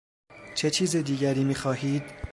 چه چیز دیگری میخواهید؟